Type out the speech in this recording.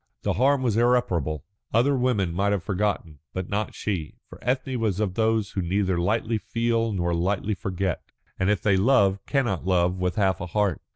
The harm was irreparable. Other women might have forgotten, but not she. For Ethne was of those who neither lightly feel nor lightly forget, and if they love cannot love with half a heart.